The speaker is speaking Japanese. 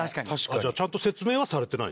じゃあちゃんと説明はされてない？